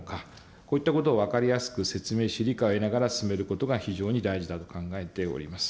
こういったことを分かりやすく説明し、理解を得ながら進めることが非常に大事だと考えております。